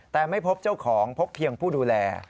แต่ไม่พบเจ้าของพบเพียงผู้ดูแล